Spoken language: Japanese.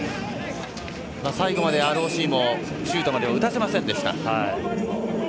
最後までＲＯＣもシュートまでは打たせませんでした。